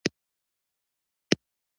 راځئ یو ځای یی وخورو